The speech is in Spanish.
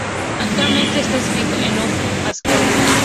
Actualmente está escrito en Object Pascal.